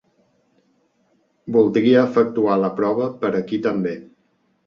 Voldria efectuar la prova per aquí també.